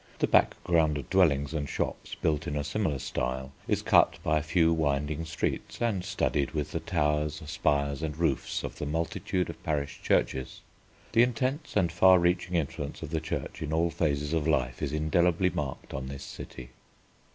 The background of dwellings and shops, built in a similar style, is cut by a few winding streets, and studded with the towers, spires, and roofs of the multitude of parish churches. The intense and far reaching influence of the Church in all phases of life is indelibly marked on this city.